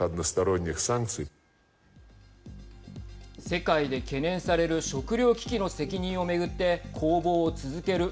世界で懸念される食糧危機の責任をめぐって攻防を続ける